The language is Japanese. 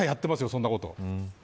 そんなことは。